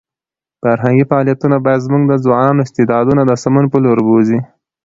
فرهنګي فعالیتونه باید زموږ د ځوانانو استعدادونه د سمون په لور بوځي.